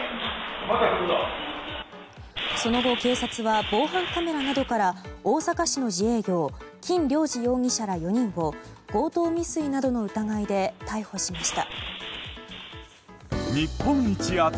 その後、警察は防犯カメラなどから大阪市の自営業金良治容疑者ら４人を強盗未遂などの疑いで逮捕しました。